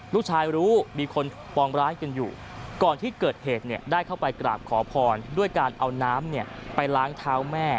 รู้มีคนปองร้ายกันอยู่ก่อนที่เกิดเหตุเนี่ยได้เข้าไปกราบขอพรด้วยการเอาน้ำไปล้างเท้าแม่